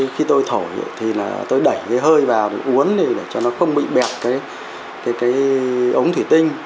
khi tôi thổi thì tôi đẩy hơi vào uốn để cho nó không bị bẹp cái ống thủy tinh